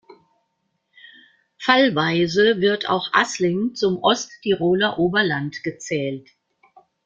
Fallweise wird auch Assling zum Osttiroler Oberland gezählt.